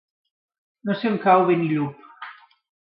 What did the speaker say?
No sé on cau Benillup.